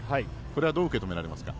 これはどう受け止められますか？